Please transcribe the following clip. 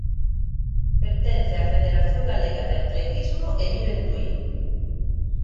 Pertence á Federación galega de Atletismo e vive en Tui.